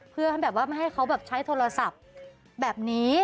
เพื่อดูแลได้ไม่ให้เขาใช้โทรศัพท์แบบนี้